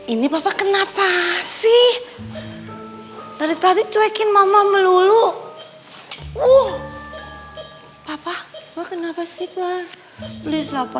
ini papa kenapa sih dari tadi cuekin mama melulu uh papa kenapa sih pak please lapa